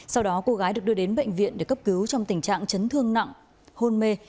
sau đó cô gái được đưa đến bệnh viện để cấp cứu trong tình trạng chấn thương nặng hôn mê